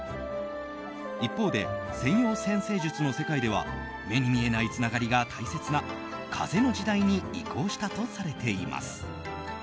一方で西洋占星術の世界では目に見えないつながりが大切な風の時代に移行したとされています。